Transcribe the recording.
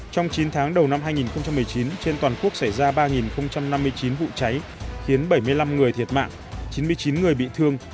trong chín tháng đầu năm hai nghìn một mươi chín trên toàn quốc xảy ra ba năm mươi chín vụ cháy khiến bảy mươi năm người thiệt mạng chín mươi chín người bị thương